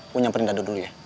gua nyamperin dato dulu ya